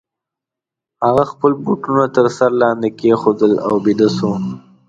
هغه خپل بوټونه تر سر لاندي کښېښودل او بیده سو.